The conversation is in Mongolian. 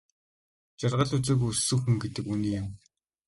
Жаргал үзээгүй өссөн хүн гэдэг үнэн юм.